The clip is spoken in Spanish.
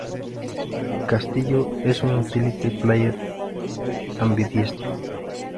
Castillo es un utility player ambidiestro.